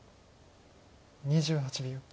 ２８秒。